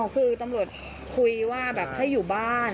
คือตำรวจคุยว่าแบบให้อยู่บ้าน